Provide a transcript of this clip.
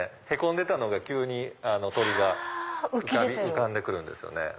へこんでたのが急に鳥が浮かんで来るんですよね。